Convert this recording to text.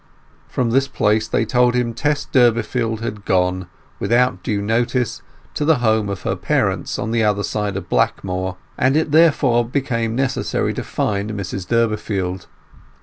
From this place they told him Tess Durbeyfield had gone, without due notice, to the home of her parents on the other side of Blackmoor, and it therefore became necessary to find Mrs Durbeyfield.